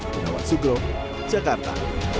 menawan sugro jakarta